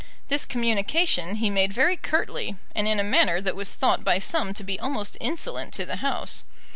This communication he made very curtly, and in a manner that was thought by some to be almost insolent to the House.